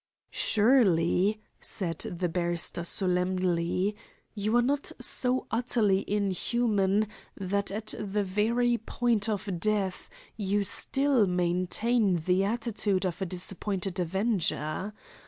"Surely," said the barrister solemnly, "you are not so utterly inhuman that at the very point of death you still maintain the attitude of a disappointed avenger.